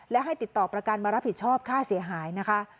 และให้ติดต่อประกันมารับผิดชอบค่าเสียหายนะคะ